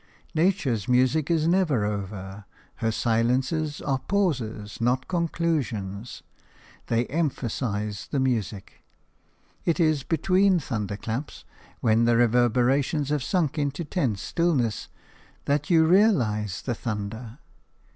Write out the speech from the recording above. Nature's music is never over; her silences are pauses, not conclusions. They emphasise the music. It is between thunderclaps, when the reverberations have sunk into tense stillness, that you realise the thunder.